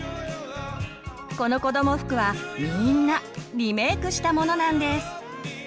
このこども服はみんなリメークしたものなんです。